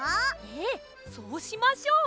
ええそうしましょう。